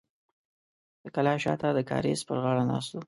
د کلا شاته د کاریز پر غاړه ناست و.